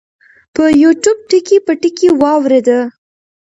پۀ يو ټيوب ټکے پۀ ټکے واورېده -